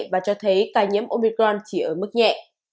và cho thấy ca nhiễm omicron chỉ ở mức nhẹ